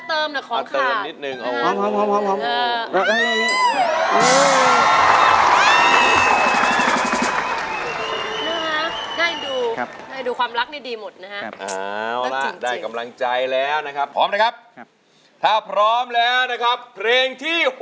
ภรรยาแวะมาให้กำลังใจสาดีสักนิดหนึ่ง